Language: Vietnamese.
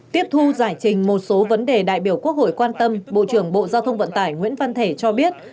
tiếp thu giải trình một số vấn đề đại biểu quốc hội quan tâm bộ trưởng bộ giao thông vận tải nguyễn văn thể cho biết